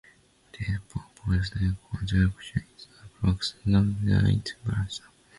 This purported contradiction is the crux of Joe's proof.